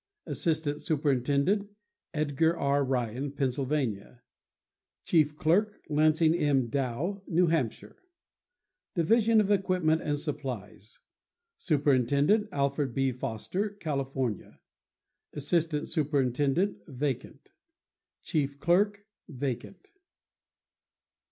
Assistant Superintendent.—Edgar R. Ryan, Pennsylvania. Chief Clerk.—Lansing M. Dow, New Hampshire. Division of Equipment and Supplies.— Superintendent.—Alfred B. Foster, California. Assistant Superintendent.—Vacant. Chief Clerk.—Vacant.